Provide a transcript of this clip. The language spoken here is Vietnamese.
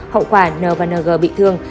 hậu quả n và ng bị thương